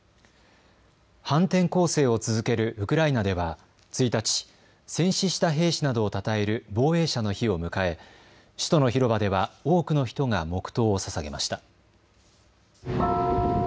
反転攻勢を続けるウクライナでは１日、戦死した兵士などをたたえる防衛者の日を迎え首都の広場では多くの人が黙とうをささげました。